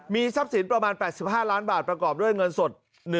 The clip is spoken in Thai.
มีทรัพย์สินประมาณ๘๕ล้านบาทประกอบด้วยเงินสด